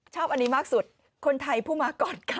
ชอบอันนี้มากสุดคนไทยผู้มาก่อนค่ะ